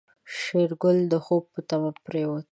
شېرګل د خوب په تمه پرېوت.